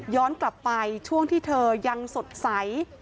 กลับไปช่วงที่เธอยังสดใส